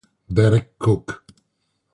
Derek Cooke